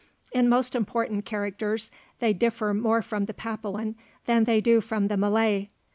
In most important characters they differ more from the Papuan than they do from the Malay.